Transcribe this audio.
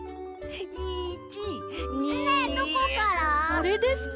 あれですか？